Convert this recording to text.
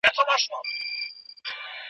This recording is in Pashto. تاسو په وطن کي کوم موسم ډېر خوښوئ؟